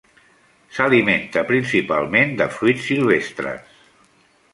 S'alimenta principalment de fruits silvestres.